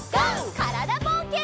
からだぼうけん。